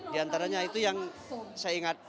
diantaranya itu yang saya ingat